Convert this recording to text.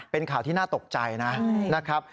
เป็นข่าวที่น่าตกใจนะครับ